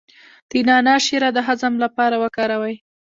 د نعناع شیره د هضم لپاره وکاروئ